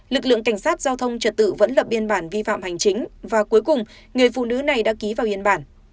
lực lượng cảnh sát giao thông trật tự vẫn lập biên bản vi phạm hành chính và cuối cùng người phụ nữ này đã ký vào biên bản